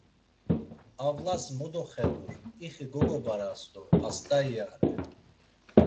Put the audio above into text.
Avlas mo doxedur, ixi gogobaras do xast̆a iyare.